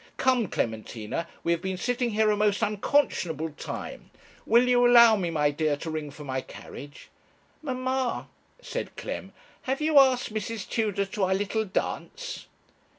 Come, Clementina, we have been sitting here a most unconscionable time. Will you allow me, my dear, to ring for my carriage?' 'Mamma,' said Clem, 'have you asked Mrs. Tudor to our little dance?'